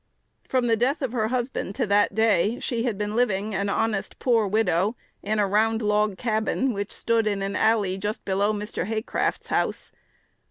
From the death of her husband to that day, she had been living, "an honest, poor widow," "in a round log cabin," which stood in an "alley" just below Mr. Haycraft's house.